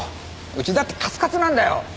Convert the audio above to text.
うちだってカツカツなんだよ。